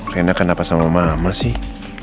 enak kenapa sama mama sih